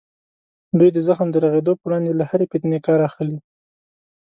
دوی د زخم د رغېدو په وړاندې له هرې فتنې کار اخلي.